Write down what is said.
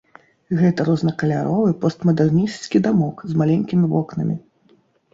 Гэта рознакаляровы постмадэрнісцкі дамок з маленькімі вокнамі.